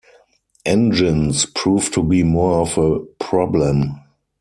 Engines proved to be more of a problem.